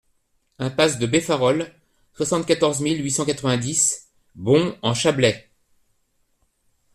Impasse de Beffarol, soixante-quatorze mille huit cent quatre-vingt-dix Bons-en-Chablais